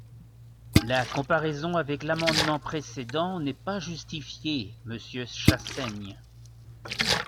La comparaison avec l’amendement précédent n’est pas justifiée, monsieur Chassaigne.